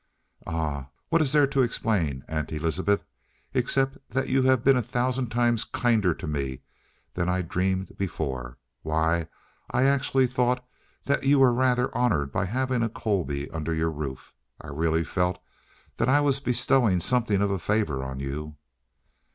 "Ah, what is there to explain, Aunt Elizabeth? Except that you have been a thousand times kinder to me than I dreamed before. Why, I I actually thought that you were rather honored by having a Colby under your roof. I really felt that I was bestowing something of a favor on you!"